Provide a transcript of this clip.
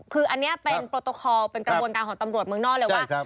คืออันนี้เป็นโปรโตคอลเป็นกระบวนการของตำรวจเมืองนอกเลยว่า